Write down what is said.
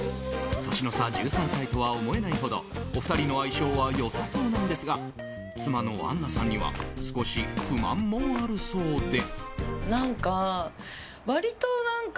年の差１３歳とは思えないほどお二人の相性は良さそうなんですが妻のあんなさんには少し不満もあるそうで。